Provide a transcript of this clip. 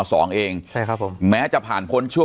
สวัสดีครับทุกผู้ชม